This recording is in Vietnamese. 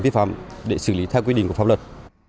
vi phạm để xử lý theo quy định của pháp luật